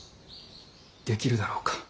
できるだろうか。